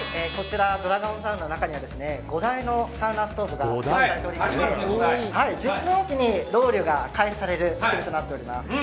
ドラゴンサウナの中には５台のサウナストーブが設置されておりまして１０分おきにロウリュが開始される仕組みとなっています。